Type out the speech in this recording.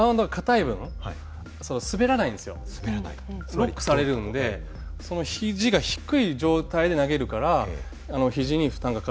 ロックされるのでそのひじが低い状態で投げるからひじに負担がかかるんですよね。